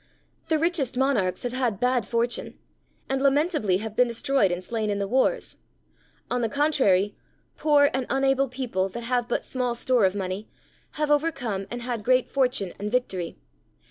The richest monarchs have had bad fortune, and lamentably have been destroyed and slain in the wars; on the contrary, poor and unable people, that have had but small store of money, have overcome and had great fortune and victory.